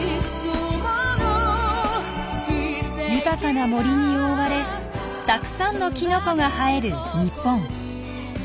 豊かな森に覆われたくさんのキノコが生える日本。